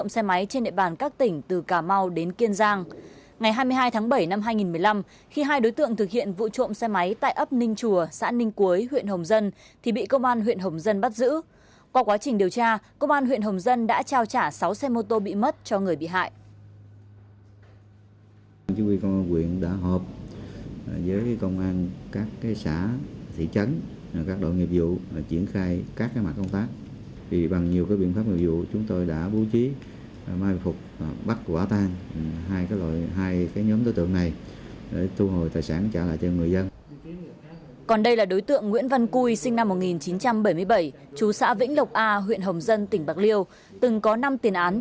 sau khi chấp hành xong án phạt tù vào ngày hai mươi sáu tháng bốn năm hai nghìn một mươi năm